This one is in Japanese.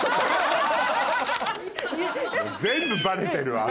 全部バレてるわ。